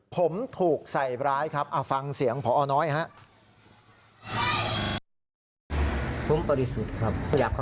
ผมถูกใส่ร้ายครับฟังเสียงพอน้อยครับ